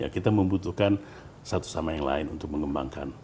kita membutuhkan satu sama yang lain untuk mengembangkan